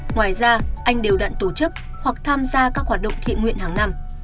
ngoài ra anh đều đặn tổ chức hoặc tham gia các hoạt động thiện nguyện hàng năm